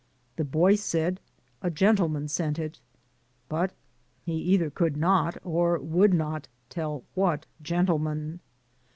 The boy said, "A gentleman sent it." But he either could not, or would not, tell what gentleman.